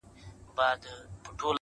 نه په كار مي پاچهي نه خزانې دي٫